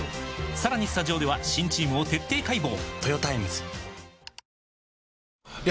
さらにスタジオでは新チームを徹底解剖！